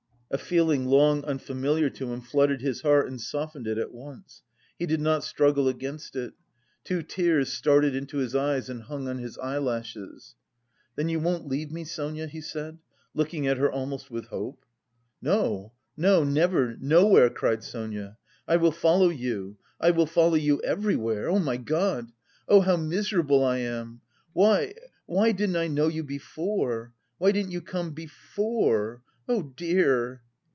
A feeling long unfamiliar to him flooded his heart and softened it at once. He did not struggle against it. Two tears started into his eyes and hung on his eyelashes. "Then you won't leave me, Sonia?" he said, looking at her almost with hope. "No, no, never, nowhere!" cried Sonia. "I will follow you, I will follow you everywhere. Oh, my God! Oh, how miserable I am!... Why, why didn't I know you before! Why didn't you come before? Oh, dear!"